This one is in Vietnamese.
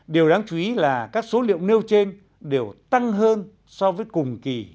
điều đáng chú ý là các số liệu nêu trên đều tăng hơn so với cùng kỳ